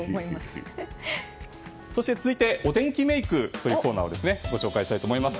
そして、お天気メイクというコーナーをご紹介したいと思います。